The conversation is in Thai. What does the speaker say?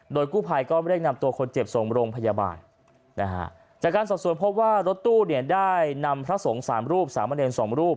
โดยกู้ภัยก็เล็กนำตัวคนเจ็บส่งโรงพยาบาลจากการสอบส่วนพบว่ารถตู้ได้นำพระสงฆ์๓รูป๓บริเวณ๒รูป